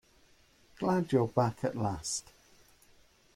Glad you're back at last.